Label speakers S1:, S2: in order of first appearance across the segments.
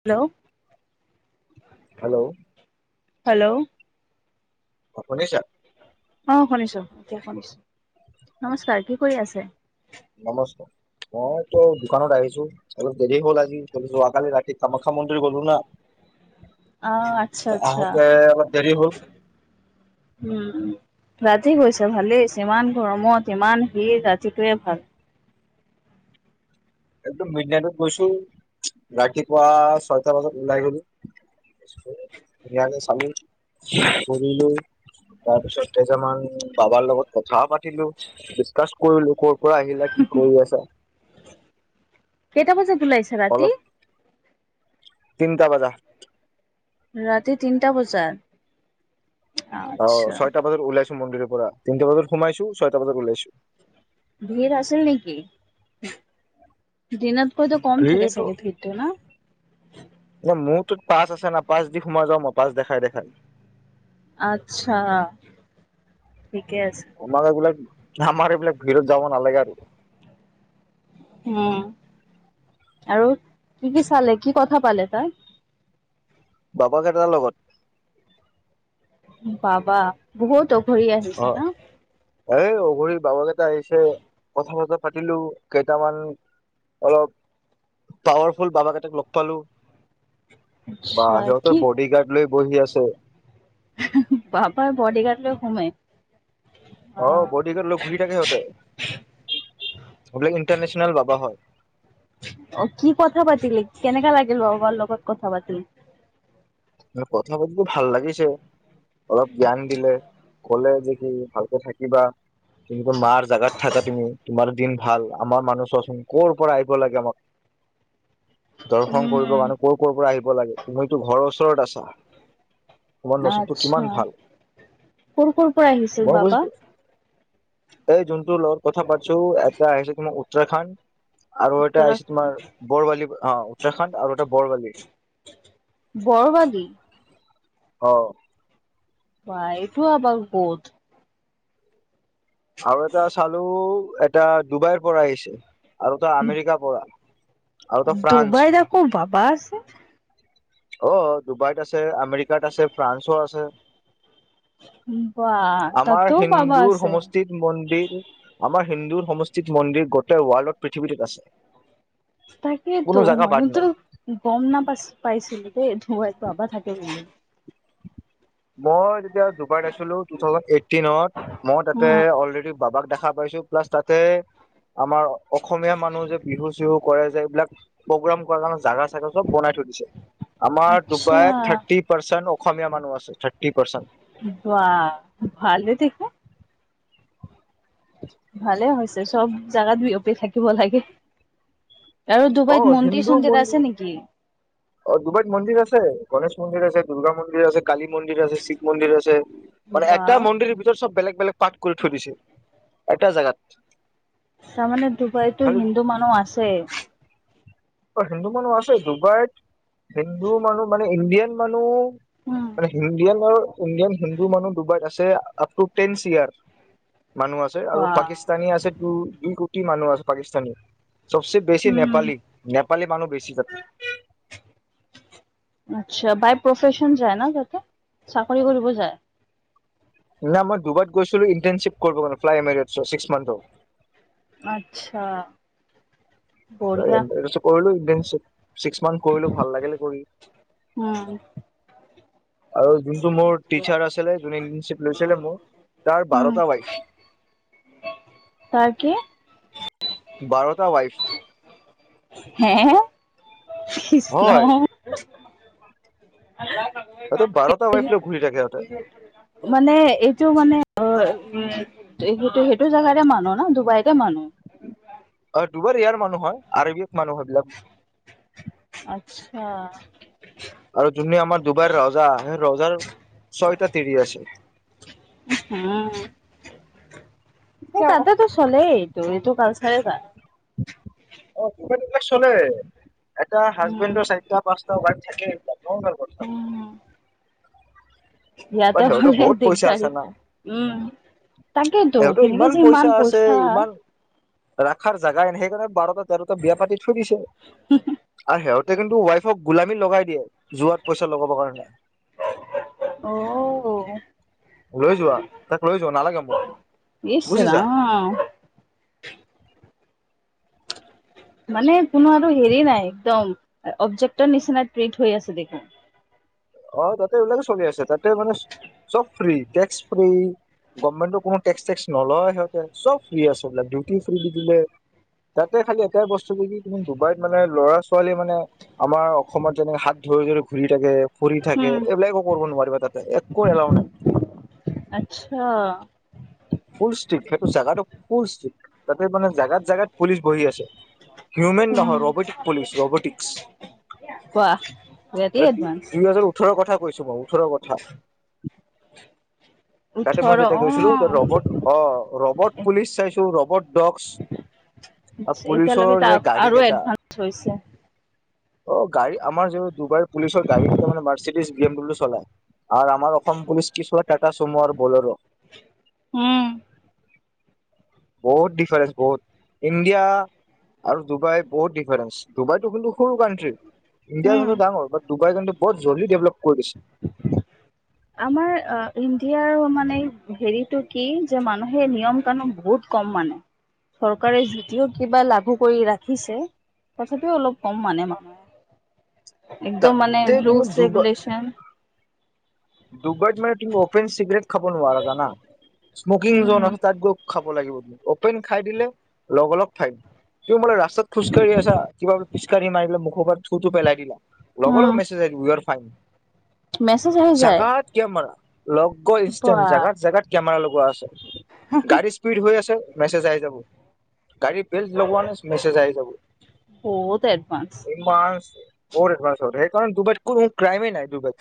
S1: Hello,
S2: hello
S1: hello ',
S2: অ', শুনিছা
S1: অ', শুনিছো এতিয়া শুনিছো নমস্কাৰ কি কৰি আছে
S2: নমস্কাৰ অ', তই দোকানত আহিছো অলপ দেৰি হ'ল আজি চলিছো আগালি ৰাতি কামাখ্যা মন্দিৰ গলো না
S1: অঁ আচ্ছা
S2: ত
S1: আচ্ছা
S2: আহোতে আাৰ দেৰি হ'ল
S1: উম', উ ৰাতি গৈছে ভালেই ইমান গৰমত, ইমান ভিৰ ৰাতিটোৱে ভাল
S2: একদম মিড নাইটত গৈছো ৰাতিপুৱা ছয়টা বজাত ওলাই গলো য় চাম কৰিলো তাৰ পিছত কেইজনামান বাবাৰ লগত কথা পাতিলো ডিচকাছ কৰিলো ক' আহিলা কি কৰি আছা
S1: কেইটা বজাত ওলাইছে ৰাতি
S2: তিনিটা বজা
S1: ৰাতি তিনিটা বজাত
S2: অ',
S1: আচ্ছা
S2: ছয়টা বজাত ওলাইছো মন্দিৰৰ পৰা তিনটা বজাত সোমাইছো ছয়টা বজাত ওলিয়াইছো
S1: ভিৰ আছে নেকি দিনতকৈতো কম থাকে
S2: ভিৰটো
S1: চাগে ভিতটো না
S2: তত পাচ আছে না পাচ দি সোমাই যাওঁ মই পাচ দেখাই। দেখাই।
S1: আত্ছা
S2: আমাৰ এইবিলাক আমাৰ এইবিলাক ভিৰত যাব নালাগে আৰু
S1: উম', আৰু কি কি চালে কি কথা পালে তাই
S2: বাবাকেইটাৰ লগত
S1: বাবা বহুত অঘৰি আহিছে
S2: অ'
S1: ন
S2: এই অঘৰি বাবাকেইটা আহিছে কথা পতা পাতিলো কেইটামান অলপ পাৱাৰফুল বাবা কেইটাক লগ পালো বা
S1: আচ্ছা
S2: সিহঁতৰ বডি গাৰ্ড লৈ বহি আছে
S1: বাপা বডিগাৰ্ড ল ঘুমে
S2: আহ বডিগাৰ্ড ল ঘূৰি থাকে সিহঁতে বলোক ইণ্টাৰনেশনল বাবা হয়
S1: অ', কি কথা পাতিল কেনেকা লাগিল বাৰ লগত কথা পাতিল
S2: কথা পাতিটো ভাল লাগিছে অলপ জ্ঞান দিলে কলে যে কি ভালকে থাকিবা তুমি কোন মাৰ জোগাত থাকা তুমি তোমাৰো দিন ভাল আমাৰ মানুহ চোৱাচোন কৰৰ পৰা আহিব লাগে আমাক [unintelligible] দৰ্শন কৰিব
S1: উম।
S2: কাৰণে কৰ, কৰ পৰা আহিব লাগে তুমিতো ঘৰৰ ওচৰত আছা তোমাৰ নচতটো
S1: আচ্ছা
S2: কিমান ভাল
S1: কৰ কৰ পৰা আহিছিল
S2: মই
S1: বাবা?
S2: বুজছো এই যোনটো লৰ কথা পাছো এটা আহিছে তোমাৰ উত্তৰাখণ্ড আৰু এটা আহিছে
S1: উত্তৰাখণ্ড
S2: তোমাৰ বৰৱালি অ উত্তৰাখণ্ড আৰু এটা বৰৱালি
S1: বৰবালী
S2: আহ',
S1: বাই এইটো আৰ বোধ
S2: আৰু এটা চালো এটা ডুবাইৰ পৰা আহিছে আৰু তো আমেৰিকা পৰা আৰু এটা
S1: ডুবাইত আকৌ বাবা আছে।
S2: ফ্ৰান্স অ ডুবাইত আছে আমেৰিকাত আছে ফ্ৰান্সো আছে
S1: বা
S2: আমাৰ
S1: তাতও বাবা
S2: হিন্দুৰ
S1: আছে
S2: সমষ্টিত মন্দিৰ আমাৰ হিন্দু সমষ্টিত মন্দিৰ গোটেই ৱৰ্ল্ডত পৃথিৱীটোত আছে
S1: তাকেতো
S2: কোনো জাগা বাদ নাই
S1: মইতো গম ন পাই পাইছিলো দে াইো বাবা থাকে
S2: মই তেতিয়া ডুবাইত আছিলো টু থাউজেড এইটিনত মই তাতে
S1: উম।
S2: অলৰেড বাবাক খাবাইছো প্লাছ তাতে আমাৰ অসমীয়া মানুহ যে বিহু চিহু কৰে যে এইবিলাক প্ৰগ্ৰাম কৰা কাৰণে জাগা বনাই থৈ দিছে আমাৰ
S1: আচ্ছা
S2: ডুবাইত থাৰ্টি পাৰ্চেন্ট অসমীয়া মানুহ আছে থাৰ্টি পাৰ্চেন্ট
S1: বা ভালে দেখোন ভালে হৈছে চব জাগাত বিয়পি থাকিব লাগে আৰু
S2: অ
S1: ডুবাইত মন্দিৰ
S2: হিন্দু
S1: চন্দিৰ
S2: মন্দিৰ
S1: আছে নেকি
S2: অ ডুবাইত মন্দিৰ আছে গণেশ মন্দিৰ আছে দুূৰ্গা মন্দিৰ আছে কালী মন্দিৰ আছে শিৱ মন্দিৰ আছে আৰু
S1: বা
S2: এটা মন্দিৰ ভিতৰত চব বেলেগ বেলেগ পাত কৰি থৈ দিছে এটা জাগাত
S1: তাৰমানে ডুবাইতো হিন্দু মানুহ আছে
S2: অ হিন্দু মানুহ আছে ডুবাইত হিন্দু মানুহ মানে ইণ্ডিয়ান মানুহ মানে হিন্দিয়ান আৰু ইণ্ডিয়ান হিন্দু মানুহ ডুবাইত আছে আপ টু টেন চ ইয়াৰ মানুহ আছে আৰু
S1: বা
S2: পাকিস্তানী আছে দুই কোটি মানুহ আছে পাকিস্তানী চবচে বেছি
S1: উম
S2: নেপালী নেপালী মানুহ বেছি থাকে
S1: আচ্ছা বাই প্ৰফচন যায় ন যাতে চাকৰি কৰিব যায়
S2: না মই ডুবাইত গৈছিলো ইটাৰশ্বিপ কৰিব ফ্্স ম্থৰ
S1: আচ্ছা বঢ়িয়া
S2: কৰিলো ছিক্স মান্থ কৰিলো ভাল লাগিলে কৰি
S1: উম
S2: আৰু যোনটো মোৰ টিচাৰ আছিলে য ইংলিছ পঢ়াইছিলে মোৰ তাৰ বাৰটা ৱাইফ
S1: তাকে
S2: বাৰটা ৱাইফ
S1: হে কৃষ্ণ
S2: হয় সিহঁতে বাৰটা ৱাইফ লৈ ঘূৰি থাকে সিহঁতে
S1: মানে এইটো মানে উম সেইটো সেইটো জেগাতে মানুহ ন ডুবাইতে মানুহ
S2: অ ডুবাৰ ইয়াৰ মানুহ হয় আৰব মানুহ হয় এইবিলাক
S1: আচ্ছা
S2: আৰু যোনে আমাৰ ডবাইৰ ৰজা সেই ৰজাৰ ছয়টা তিৰি আছে
S1: উম ততেতো চলেই ত এইটো কালচাৰ ক
S2: অ ডুবাইত এইবিলাক চলে এটা হাজবেণ্ডৰ চাৰিটা পাঁচটা ৱাইফ থাকে কথা বাৰ
S1: ইয়াতে
S2: সিহঁতৰ
S1: হ'লে
S2: বহুত পইচা
S1: দিগদাৰি।
S2: আছে না
S1: তাকেইতো
S2: সহঁতৰ
S1: কেনেকে
S2: ইমান
S1: যে
S2: পইচা আছে ইমান ৰখাৰ জোগাই ন সেইকাৰণে বাৰটাত ত এটা বিয়া পাতি থৈ দিছে আৰু সিহঁতে কিন্তু ৱাইফক গোলামী লগাই দিয়ে যোৱাত পইচা লগাবৰ কাৰণে
S1: অ
S2: লৈ যোৱা তাক লৈ যোৱা নালাগে মোক
S1: ইচ
S2: বুজিছা
S1: ৰাম
S2: [inaudible]
S1: মানে কোনো আৰু হেৰি নাই একদম অবজেক্টৰ নিচিনা ক্ৰেত হৈ আছে দেখোন।
S2: অ তাতে এইবিলাকে চলি আছে তাতে মানে চব ফ্ৰী টেক্স ফ্ৰী গভেটৰ কোনোটক্স টেক্ নলয় সিহঁতেব ফ্ৰী আছে বিলাক ডিউটি ফ্ৰী দি দিলে। তাতে খালি এটাই বস্তু কি কি তুমি ডুবাইত মানে ল'ৰা ছোৱালীয়ে মানে আমাৰ অসমত যেনেক হাত ধ ধৰি ঘূৰি থাকে ফুৰি থাকে এইবিলাকো কৰিব নোৱাৰিবা তাতে একো এলাও নাই।
S1: আচ্ছা
S2: ফুল ষ্টিক সেইটো চোগাটো ফুল ষ্টিক। তাতে মানে জোগাত জোগাত পুলিচ বহি আছে। হিউমেন নহৰ ৰ'বটিক পুলিচ ৰবটিক।
S1: বাহ ভেৰী এডভাঞ্চ।
S2: দুহজাৰ ওঠৰৰ কথা কৈছো বাৰু ওঠৰৰ কথা। তাতে মই
S1: ওঠৰ
S2: যেতিয়া গৈছিলো
S1: অ'
S2: ৰবট অ ৰবট পুলিচ চাইছো ৰবট ডক্ পুলিচৰ
S1: এতিয়ালৈকে ত
S2: যে গাড়ী
S1: আৰু
S2: কেইটা
S1: এডভান্স হৈছে।
S2: অ গাড়ী আমাৰ য ডবাইৰ পুলিচৰ গাড়ী কেইটা মানে মাৰ্চিডিজ বি এম ডাব্লিউ চলায়। আৰু আমাৰ অসম পুলিচ কি চলাই টাটা চুমো আৰু বলৰো।
S1: উম,
S2: বহুত ডিফাৰেন্ঞ্চ বহুত ইণ্ডিয়া আৰু ডুবাই বহুত ডিফাৰেন্ঞ্চ ডুবাইতটো কিন্তু সৰু কানট্ৰি।
S1: উম।
S2: ইণ্ডিয়াৰো ডাঙৰ বাত ডুবাই বৰত জল্দি ডেভলপ কৰি দিছে।
S1: [unintelligible] আমাৰ ইণ্ডিয়াৰ মানে হেৰিতটো কি যে মানুহে নিয়ম কানু বহুত কম মানে চৰকাৰে যদিও কিবা লাঘু কৰি ৰাখিছে। কথাটো অলপ কম মানে মানুহ। একদম মানে
S2: তাতে তুমি
S1: ৰুলচ ৰেগুলচন
S2: দুবট মানে তুমি পেন চিগৰেট খাব নোৱৰা জানা? স্মকিং
S1: উম
S2: জন আছে তাত গৈ খাব লাগিব। খাই দিলে লগৰ লগ ফাইন ত বোলে ৰাস্তাত খোজকাঢ়ি আছা কিবা খোজকাঢ়ি মাৰিলে মুখৰ পৰা চুটো পেলাই দিলা লগৰ লগ মেছেজ আহ উ আৰ ফাইন।
S1: মেচ -
S2: জোগাত কেমেৰা লগ
S1: বা
S2: ইনষ্টেণ্ট জোগাত জোগাত কেমেৰা লগোৱা আছে। গাড়ী স্পীড হৈ আছে মেছেজ আহি যাব। গাড়ী বেল লগোৱা নাই মেছেজ আহি যাব,
S1: বহুত এডভান্স।
S2: ইমান বহুত এডভান্স হল সেই কাৰণ ডুবাইত কোনো ক্ৰাইমে নাই ডুবাইত।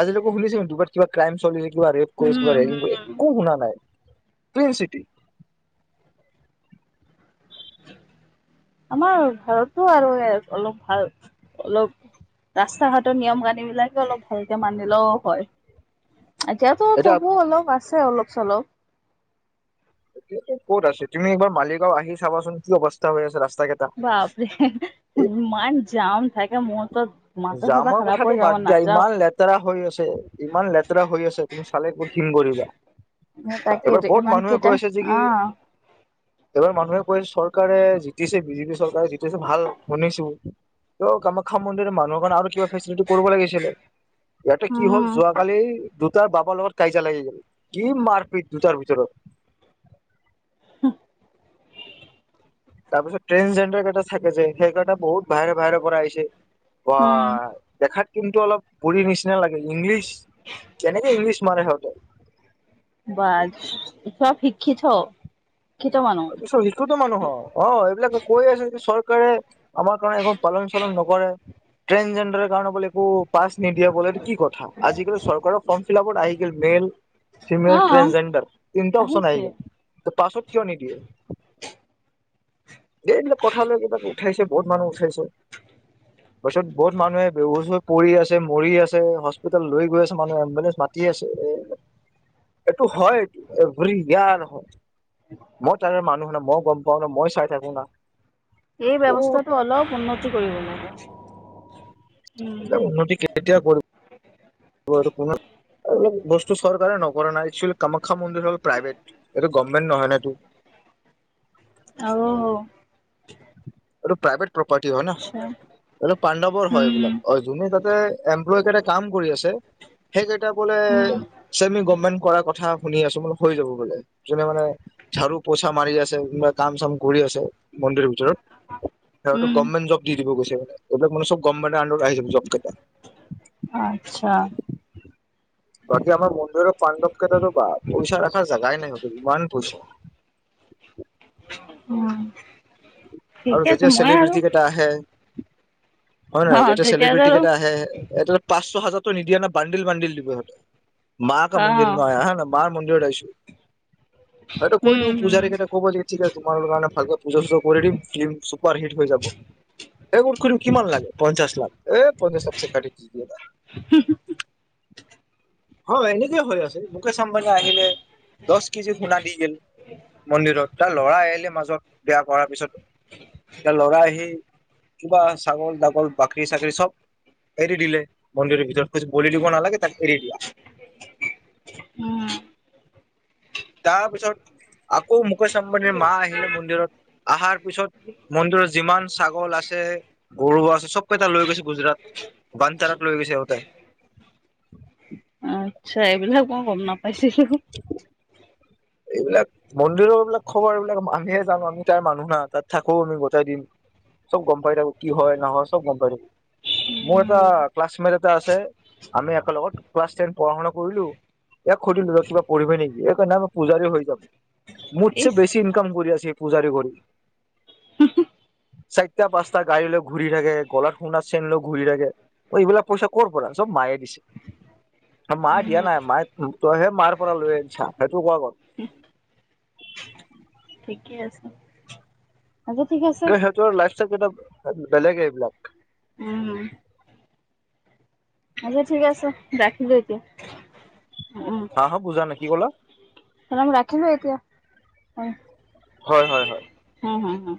S2: আজিলৈক শুনিছে দুবাৰ কিবা ক্ৰাইম চলি কিবা ৰেপ কৰিছে বা
S1: উম
S2: ৰেগিং কৰিছে
S1: হম
S2: একো শুনা নাই। Clean city.
S1: আমাৰ ঘাৰতো আৰু অলপ ভাল অলপ ৰাস্তা ঘাটৰ নিয়ম কানি বিলাকে অলপ ভালকে মানিলেও হয়। এতিয়াতো
S2: এতিয়া
S1: তবু অলপ আছে অলপ চলপ।
S2: এ ক'ত আছে তুমি এইবাৰ মালিগাঁও আহি চাবাচোন কি অৱস্থা হৈ আছে ৰাস্তা। কেইটা
S1: বাপৰে ইমান জাম। থাকে মোৰ তো মাথা চাথা
S2: জামৰ
S1: খাৰাপ
S2: কথাটো
S1: হৈ যাব
S2: বাদ দিয়া
S1: নাযাও।
S2: ইমান লেতেৰা হৈ আছে ইমান লেতেৰা হৈ আছে। তুমি চালে বহুত ঘিন কৰিবা এইবাৰ
S1: তাকেইটো
S2: বহুত
S1: ইমান
S2: মানুহে কৈ
S1: কেইটা
S2: আছে যে কি
S1: অহ
S2: এবাৰ মানুহে কৈ চৰকাৰ চৰকাৰে জিতিছে বিজেপি চৰকাৰে জিতিছে ভাল শুনিছো তেওঁ কাম শিক্ষা মন্দিৰ মানুহৰ কাৰণে আৰু কিবা ফেচিলিটি কৰিব লাগিছিলে ইয়াতে কি হ'ল
S1: উম
S2: যোৱাকালি দুটাৰ বাবাৰ লগত কাঁজা লাগি গাব কি মাৰপিট দুটাৰ ভিতৰত।
S1: হ
S2: তাৰপিছত ট্ৰেজেণ্ডাৰ কেইটা থাকে যে সেইকেইটা বহুত বাহৰে বাহৰে পৰা আহিছে। বা
S1: উম
S2: দেখাত কিন্তু অলপ পৰি নিচিনা লাগে ইংলিছ কেনেকে ইংলিছ মাৰে সিহঁতে
S1: বা চব শিক্ষিত। শিক্ষিত মানুহ
S2: তাৰ পিছত শিক্ষিতো মানুহ অ' এইবিলাকে কৈ আছে যে চৰকাৰে। আমাৰ কাৰণে এখন পালন-চালন নকৰে ট্ৰেনজেণ্ডাৰ কাৰণে বোলে একো পা নিদিয়া বলে কি কথা আজিকালি চৰকাৰৰ ফৰ্ম ফিল আপত আহি মেইল । ফিমেল
S1: অহ
S2: ট্ৰেন জেণ্ডাৰ তিনটা অপচন
S1: আহিছে।
S2: আহে, পছৱৰ্ড কিয় নিদিয়ে। [inaudible] এই কোঠালৈ কিবাক উঠাইছে বহুত মানুহ উঠাইছে। তাৰপিছত বহুত মানুহে বেহুচ হৈ পৰি আছে পৰি আছে । হস্পিতেেল লৈ গৈ আছে মানুহে এম্বুলেন্ঞ্চ মা তি আছে এইটো হয় এভৰি জ্ঞান হয়। মই তৰ মানুহ ন মই গম পাও, ন মই চাই থাকো না।
S1: এই
S2: এইবিলাক
S1: ব্যৱস্থাটো অলপ উন্নতি কৰিব লাগে। উম
S2: উন্নতি কেতিয়া কৰিব বস্তু চৰকাৰে নকৰে নাই, একচুৱেলি কামাখ্যা মন্দিৰ হ'ল প্ৰাইভেট, এইটো গৰ্মেণ্ট নহয় নাই এইটো ।
S1: আৰু
S2: আৰুটো প্ৰাইভেট প্ৰপাৰটী হয় নহয়,
S1: আচ্ছা
S2: এইটো পান্দবৰ হয়
S1: উম
S2: এইবিলাক অ' যোনে তাতে এমপ্লয় লয়। কাম কৰি আছে সেই কেইটা বোলে
S1: উম
S2: চেমি গভমেণ্ট কৰাৰ কথা। শুনি আছো মান হৈ যাব বোলে যোনে মানে ঝাৰু, পোচা মাৰি আছে। কাম চাম কৰি আছে। মন্দিৰৰ ভিতৰত সিহঁতটো
S1: উম
S2: গভমেণ্ট জব দি দিব কৈছে, এইবিলাক মানে গভমেণ্ট আডত আহি যাব জব কেইটা।
S1: আচ্ছা।
S2: [inaudible] বাকী আমাৰ বন্ধুৰ পাণ্ডৱ কেইতাতো বা পইচা ৰখাৰ জাগাই নাই ইমান পইচা । [inaudible]
S1: উ
S2: আৰু
S1: ঠিকে আছে
S2: যেতিয়া
S1: মই আৰু
S2: চেলিব্ৰিটি কেইটা আহে হয় ন
S1: অ
S2: নহয় যেতিয়া
S1: তেতিয়া
S2: চেলিব্ৰিটি
S1: আৰু
S2: কেইটা আহে এ । পাঁচশ হাজাৰতো নিদিয়া না বান্দিল বান্দিল দিব। সিহঁতে মাক কা
S1: অ
S2: মন্দিৰ মই হা না মা মন্দিৰ । কৈ
S1: উম
S2: দিব
S1: উম
S2: পূজাৰী কেটাক ঠিক আছে, তোমাৰ কাৰণে ভালকে পূজা-চূজা ফিল্ম চুপাৰ হিট হৈ যাব এই কৰি কিমান লাগে পঞ্চাশ লাখ। এই পনে চবছে কাটি দিয়। হয় এনেকে হৈ আছে মুকেশ আম্বানী আহিলে, দহ কেজিত শুণা দি গেল। মন্দিৰত তাৰ ল'ৰা আহিলে মাজত বিয়া কৰাৰ পিছত তাৰ ল'ৰা আহি কিবা ছাগল, দাগল, বাকৰি চাকৰি চব এৰি দিলে মন্দিৰৰ ভিতৰত কজ বল দিব নালাগে তাত এৰি দিয়া ।
S1: উম।
S2: তাৰপিছত আকৌ মুকেশ অম্বানীৰ মা আহিলে মন্দিৰত আহাৰ পিছত মন্দিৰত যিমান ছাগল আছে গৰু আছে চবকেইটা লৈ গৈছে গুজৰাট । বনতাৰাত লৈ গৈছে সিহঁতে।
S1: আচ্ছা এইবিলাক মই গম নাপাইছিলো।
S2: এইবিলাক মন্দিৰৰ এইবিলাক খবৰ এইবিলাক আমিহে যানো আমি তাইৰ মানুহ না তাত থাকো আমি গতাই দিন। চব গম পাই থাকো কি হয়, নহয় চব গম পাই থাকো। মোৰ এটা
S1: উম,
S2: ক্লাছমেট এটা আছে, আমি একেলগত ক্লাছ টেন পঢ়া-শুনা কৰিলো। ইয়াক সুধিলো কিবা পঢ়িবি নেকি সেইকাৰণে আমি পূজাৰী হৈ যাম মোছছে
S1: ইচ
S2: বেছি ইনকাম কৰি আছে। যে পূজাৰি কৰি । চাৰিটা পাচটা গাড়ী লৈ ঘূৰি থাকে। গলাত খুন্দা চেন লৈ ঘূৰি থাকে অ' এইবিলাক পইচা কৰ পৰা, চব মায়ে দিছে, মায়ে দিয়া নাই মায়ে তইহে মাৰ পৰা লৈ আহনিছা। তোৰ কোৱা ক'ত।
S1: ঠিক আছে, আজি ঠিকেই আছে।
S2: কেইটা বেলেগে এইবিলাক ।
S1: উম আচ্ছা ঠিক আছে, ৰাখিছো এতিয়া।
S2: হা হা বুজা নে কি ক'লা।
S1: এ ৰাখিলো এতিয়া।
S2: হয়-হয়-হয়।
S1: অ